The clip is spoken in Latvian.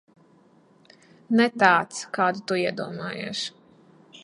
Ne tāds, kādu tu iedomājies.